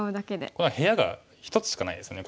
これは部屋が１つしかないですね